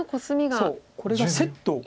そうこれがセット。